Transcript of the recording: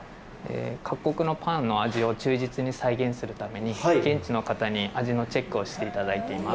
各国のパンの味を忠実に再現するために、現地の方に味のチェックをしていただいています。